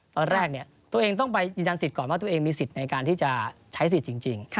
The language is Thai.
ตอนแรกตัวเองต้องไปยืนยันสิทธิ์ก่อนว่าตัวเองมีสิทธิ์ในการที่จะใช้สิทธิ์จริง